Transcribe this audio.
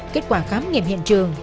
kết quả khám nghiệm hiện trường